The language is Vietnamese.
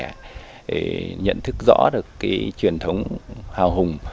để nhận thức rõ được cái truyền thống hào hùng